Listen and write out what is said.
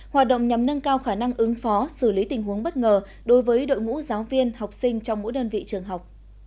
hoạt động nhằm nâng cao khả năng ứng phó xử lý tình huống bất ngờ đối với đội ngũ giáo viên học sinh trong mỗi đơn vị trường học